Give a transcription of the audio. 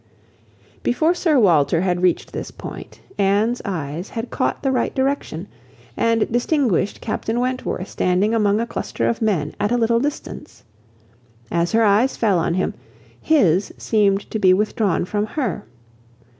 Before Sir Walter had reached this point, Anne's eyes had caught the right direction, and distinguished Captain Wentworth standing among a cluster of men at a little distance. As her eyes fell on him, his seemed to be withdrawn from her.